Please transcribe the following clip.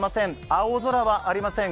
青空はありません。